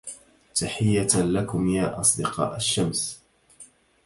تحيّة لكم يا أصدقاء الشّمس.